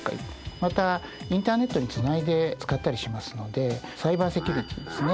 またインターネットにつないで使ったりしますのでサイバーセキュリティーですね。